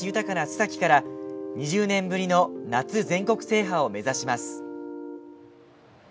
須崎から２０年ぶりの夏全国制覇を目指します。